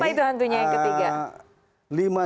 apa itu hantunya yang ketiga